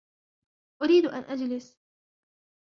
أريد أن أجلس.